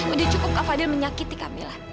udah cukup kak fadil menyakiti kamila